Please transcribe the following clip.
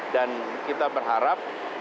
dan kita berharap